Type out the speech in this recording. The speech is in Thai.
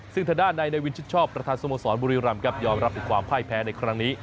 ซึ่งทางด้านในวินชิดชอบประธานสโมสรบุรีรำครับยอมรับถึงความพ่ายแพ้ในครั้งนี้